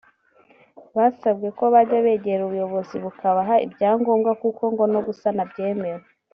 basabwe ko bajya begera ubuyobozi bukabaha ibyangombwa kuko ngo no gusana byemewe